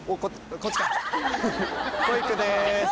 こいくです。